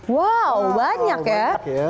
wow banyak ya